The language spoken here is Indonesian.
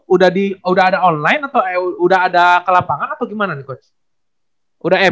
udah di udah ada online atau udah ada ke lapangan atau gimana nih coach